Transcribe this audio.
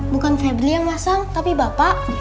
bukan febly yang pasang tapi bapak